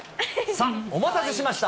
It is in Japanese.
さあ、お待たせしました。